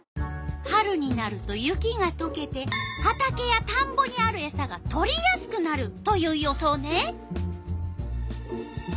春になると雪がとけて畑やたんぼにあるエサがとりやすくなるという予想ね。